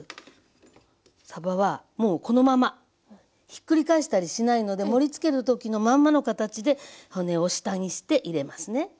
ひっくり返したりしないので盛りつける時のまんまの形で骨を下にして入れますね。